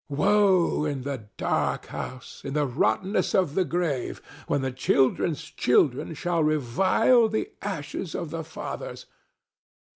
Woe in the dark house, in the rottenness of the grave, when the children's children shall revile the ashes of the fathers!